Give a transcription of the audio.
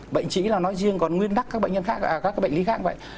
bệnh trĩ là nói riêng còn nguyên đắc các bệnh lý khác cũng vậy